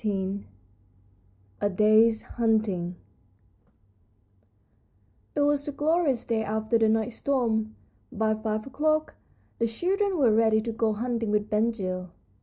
XIV A DAY'S HUNTING It was a glorious day after the night's storm. By five o'clock the children were ready to go hunting with Ben Gile.